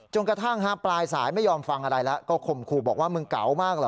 กระทั่งปลายสายไม่ยอมฟังอะไรแล้วก็ข่มขู่บอกว่ามึงเก๋ามากเหรอ